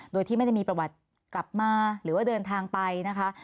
โดยที่ไม่ได้มีประวัติกลับมาหรือว่าเดินทางไปนะคะ